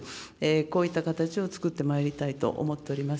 こういった形を作ってまいりたいと思っております。